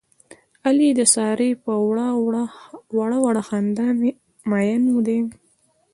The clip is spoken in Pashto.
علي د سارې په وړه وړه خندا مین دی.